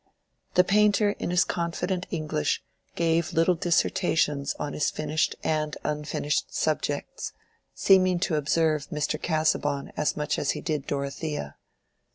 The painter in his confident English gave little dissertations on his finished and unfinished subjects, seeming to observe Mr. Casaubon as much as he did Dorothea.